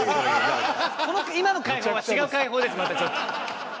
今の「開放」は違う「開放」ですまたちょっと。